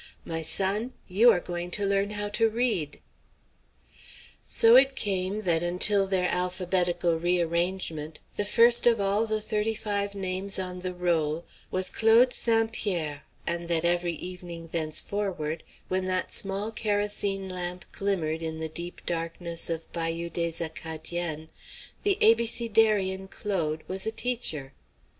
My son, you are going to learn how to read!" So came it that, until their alphabetical re arrangement, the first of all the thirty five names on the roll was Claude St. Pierre, and that every evening thenceforward when that small kerosene lamp glimmered in the deep darkness of Bayou des Acadiens, the abecedarian Claude was a teacher.